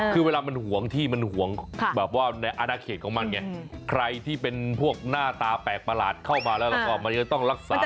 คือเวลามันห่วงที่มันห่วงแบบว่าในอนาเขตของมันไงใครที่เป็นพวกหน้าตาแปลกประหลาดเข้ามาแล้วก็มันจะต้องรักษา